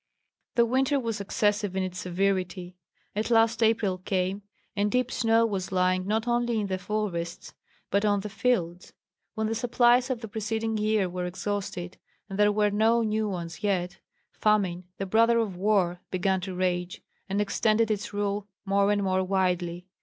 The winter was excessive in its severity. At last April came, and deep snow was lying not only in the forests but on the fields. When the supplies of the preceding year were exhausted and there were no new ones yet, Famine, the brother of War, began to rage, and extended its rule more and more widely.